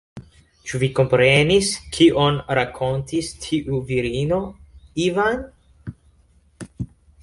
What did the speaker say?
Ĉu vi komprenis, kion rakontis tiu virino, Ivan?